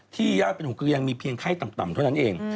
ที่ยาวเป็นหูกลือยังมีเพียงไข้ต่ำเท่านั้นเอง